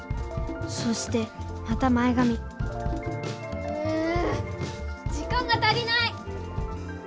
そしてまた前がみう時間がたりない！